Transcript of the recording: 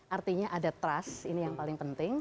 artinya ada trust ini yang paling penting